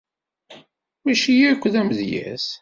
Mačči yakk d amedyaz.